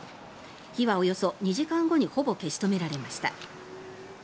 火はおよそ２時間後にほぼ消し止められました。